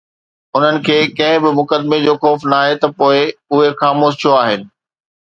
انهن کي ڪنهن به مقدمي جو خوف ناهي ته پوءِ اهي خاموش ڇو آهن؟